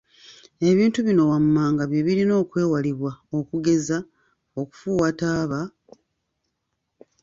Ebintu bino wammanga bye birina okwewalibwa okugeza; okufuuwa taaba,